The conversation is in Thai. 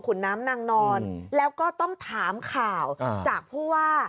คุณน้ำนางนอนแล้วก็ต้องถามข่าวจากผู้ว่า